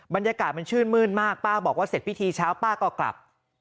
บรรยากาศมันชื่นมื้นมากป้าบอกว่าเสร็จพิธีเช้าป้าก็กลับ